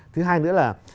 thứ hai nữa là